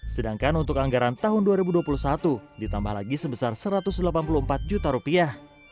sedangkan untuk anggaran tahun dua ribu dua puluh satu ditambah lagi sebesar satu ratus delapan puluh empat juta rupiah